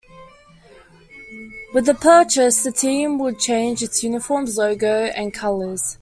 With the purchase the team would change its uniforms, logo, and colors.